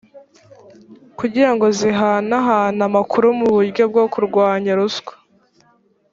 kugira ngo zihanahane amakuru mu buryo bwo kurwanya ruswa